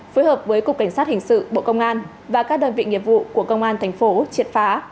phối hợp với cục cảnh sát hình sự bộ công an và các đơn vị nghiệp vụ của công an thành phố triệt phá